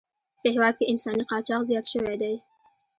په هېواد کې انساني قاچاق زیات شوی دی.